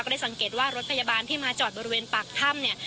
ได้สังเกตว่ารถพยาบาลที่มาจอดบริเวณปากถ้ำเนี่ย